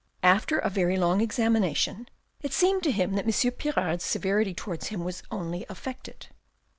After a very long examina tion, it seemed to him that M. Pirard's severity towards him was only affected.